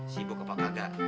sibuk apa kagak